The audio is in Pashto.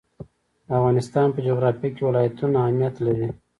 د افغانستان په جغرافیه کې ولایتونه اهمیت لري.